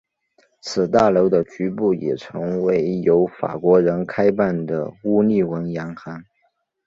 此大楼的局部也曾为由法国人开办的乌利文洋行。